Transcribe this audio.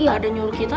ya ada nyuruh kita